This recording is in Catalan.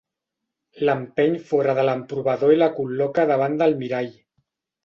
L'empeny fora de l'emprovador i la col·loca davant del mirall.